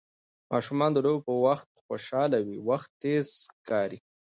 ماشومان د لوبو په وخت خوشحاله وي، وخت تېز ښکاري.